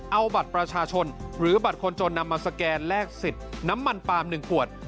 เอาบัตรประชาชนหรือบัตรคนจนนำมาสแกนแลกสิทธิ์น้ำมันปาล์ม๑ขวด